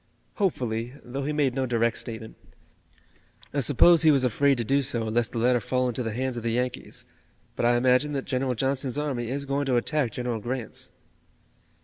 "Hopefully, though he made no direct statement. I suppose he was afraid to do so lest the letter fall into the hands of the Yankees, but I imagine that General Johnston's army is going to attack General Grant's."